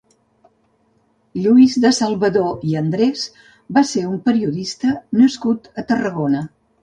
Lluís de Salvador i Andrés va ser un periodista nascut a Tarragona.